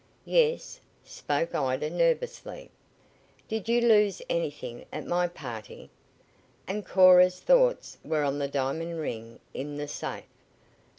"Yes," spoke Ida nervously. "Did you lose anything at my party?" and Cora's thoughts were on the diamond ring in the safe.